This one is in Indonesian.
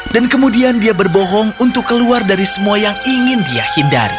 dan kemudian dia berbohong untuk keluar dari semua yang ingin dia hindari